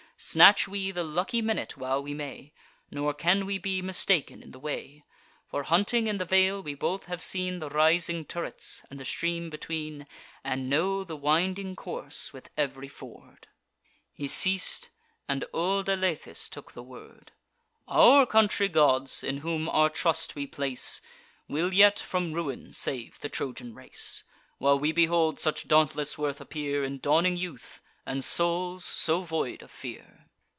Snatch we the lucky minute while we may; Nor can we be mistaken in the way; For, hunting in the vale, we both have seen The rising turrets, and the stream between, And know the winding course, with ev'ry ford." He ceas'd; and old Alethes took the word: "Our country gods, in whom our trust we place, Will yet from ruin save the Trojan race, While we behold such dauntless worth appear In dawning youth, and souls so void of fear."